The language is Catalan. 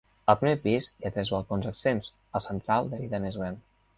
Al primer pis hi ha tres balcons exempts, el central de mida més gran.